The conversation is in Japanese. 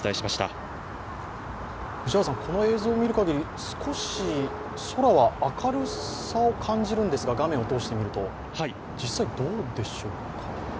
この映像を見るかぎり少し空は明るさを感じるんですが実際、どうでしょうか？